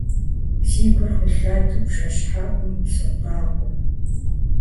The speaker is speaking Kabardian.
Си гур къилъэту бжэщхьэӀум собакъуэ.